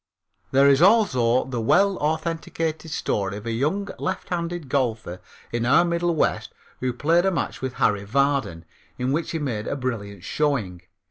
There is also the well authenticated story of a young lefthanded golfer in our Middle West who played a match with Harry Vardon, in which he made a brilliant showing.